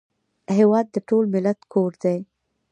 هېواد د ټول ملت کور دی